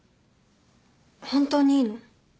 本当にいいの？